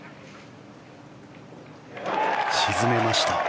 沈めました。